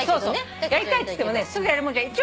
やりたいっつってもねすぐやれるもんじゃない。